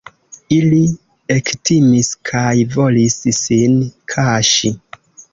Ili ektimis kaj volis sin kaŝi.